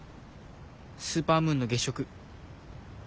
スーパームーンの月食。